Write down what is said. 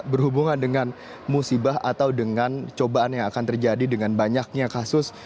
berhubungan dengan musibah atau dengan cobaan yang akan terjadi dengan banyaknya kasus